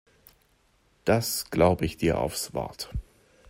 Das glaube ich dir aufs Wort.